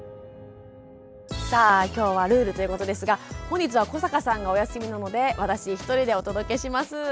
さあ今日はルールということですが本日は古坂さんがお休みなので私一人でお届けします。